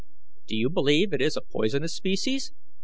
"Do you believe it is a poisonous species?"